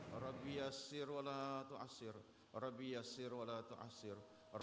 kita lahir di mana